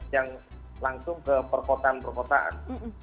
yang langsung ke perkotaan perkotaan